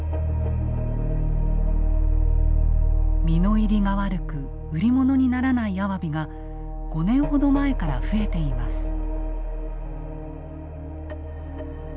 身の入りが悪く売り物にならないアワビが５年ほど前から増えています。